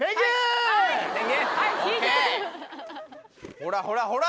ほらほらほら！